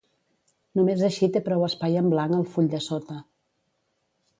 Només així té prou espai en blanc al full de sota.